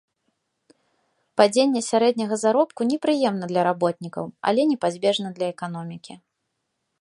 Падзенне сярэдняга заробку непрыемна для работнікаў, але непазбежна для эканомікі.